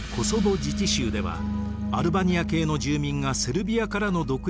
自治州ではアルバニア系の住民がセルビアからの独立を要求。